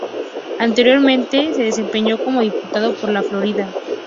Anteriormente se desempeñó como diputado por La Florida.